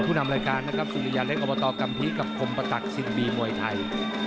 นำรายการนะครับสุริยาเล็กอบตกัมภีกับคมประตักสิ่งดีมวยไทย